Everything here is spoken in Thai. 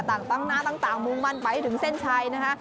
ตั้งหน้าต่างมุ่งมั่นไปให้ถึงเส้นชัยนะคะ